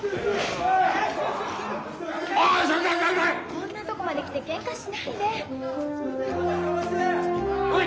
こんなとこまで来てけんかしないで。